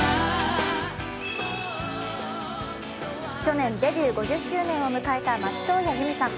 去年、デビュー５０周年を迎えた松任谷由実さん。